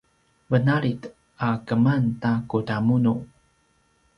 venalid a keman ta kudamunu